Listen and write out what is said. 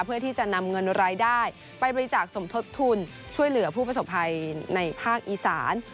เพื่อที่จะนำเงินรายได้ไปบริจาคสมทบทุนช่วยเหลือผู้ประสบภัยในภาคอีสาน